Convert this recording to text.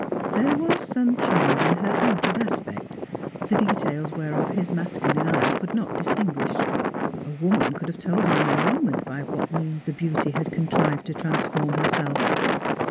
There was some change in her outward aspect, the details whereof his masculine eye could not distinguish. A woman could have told him in a moment by what means the Beauty had contrived to transform herself.